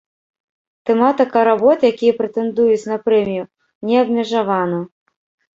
Тэматыка работ, якія прэтэндуюць на прэмію, не абмежавана.